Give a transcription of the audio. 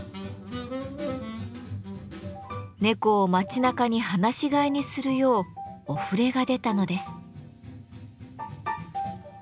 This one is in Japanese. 猫を町なかに放し飼いにするようおふれが出たのです。